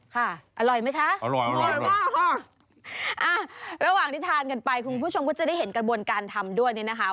ค่ะอร่อยไหมคะอร่อยมากระหว่างที่ทานกันไปคุณผู้ชมก็จะได้เห็นกระบวนการทำด้วยเนี่ยนะคะ